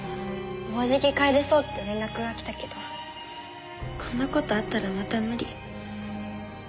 もうじき帰れそうって連絡が来たけどこんな事あったらまた無理。